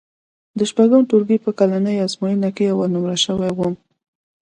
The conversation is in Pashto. د شپږم ټولګي په کلنۍ ازموینه کې اول نومره شوی وم.